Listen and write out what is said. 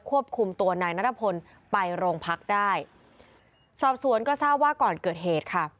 ควบคุมตัวนายนัทพลไปโรงพักได้สอบสวนก็ทราบว่าก่อนเกิดเหตุค่ะ